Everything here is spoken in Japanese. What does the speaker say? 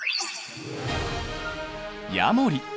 ヤモリ！